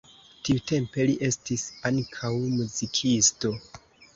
Tiutempe li estis ankaŭ muzikisto.